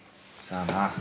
さあな。